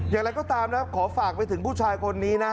อย่างไรก็ตามนะขอฝากไปถึงผู้ชายคนนี้นะ